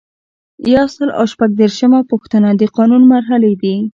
یو سل او شپږ دیرشمه پوښتنه د قانون مرحلې دي.